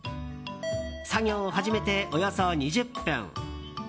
作業を始めて、およそ２０分。